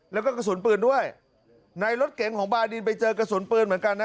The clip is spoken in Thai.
แล้วก็กระสุนปืนด้วยในรถเก๋งของบาดินไปเจอกระสุนปืนเหมือนกันนะ